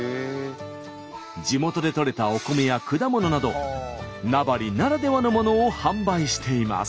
地元でとれたお米や果物など名張ならではのものを販売しています。